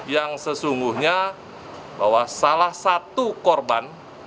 yang sesungguhnya bahwa salah satu korban